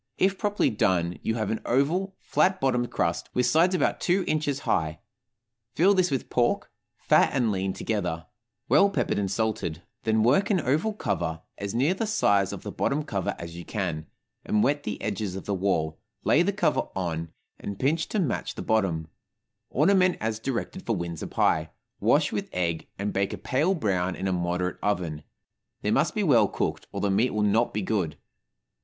If properly done, you have an oval, flat bottomed crust, with sides about two inches high; fill this with pork, fat and lean together, well peppered and salted; then work an oval cover, as near the size of the bottom cover as you can, and wet the edges of the wall, lay the cover on, and pinch to match the bottom; ornament as directed for Windsor pie, wash with egg, and bake a pale brown in a moderate oven; they must be well cooked, or the meat will not be good.